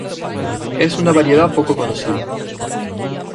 Es una variedad poco conocida.